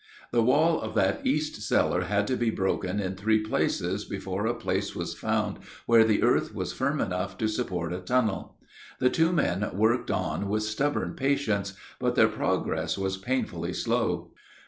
The wall of that east cellar had to be broken in three places before a place was found where the earth was firm enough to support a tunnel. The two men worked on with stubborn patience, but their progress was painfully slow.